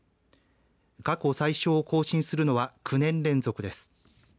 過去最少を更新するのは９年連続です。